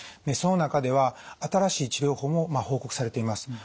その中では新しい治療法も報告されています。